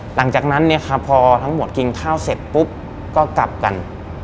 หลังจากนั้นเนี่ยครับพอทั้งหมดกินข้าวเสร็จปุ๊บก็กลับกัน